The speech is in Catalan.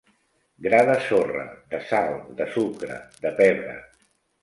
Gra de sorra, de sal, de sucre, de pebre.